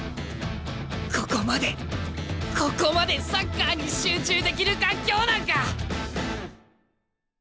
ここまでここまでサッカーに集中できる環境なんか！